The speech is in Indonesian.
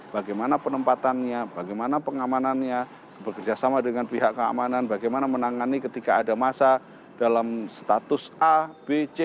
bagaimana penempatannya bagaimana pengamanannya bekerjasama dengan pihak keamanan bagaimana menangani ketika ada masa dalam status a b c